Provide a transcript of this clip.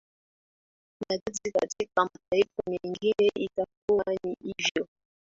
nadhani katika mataifa mengine itakuwa ni hivo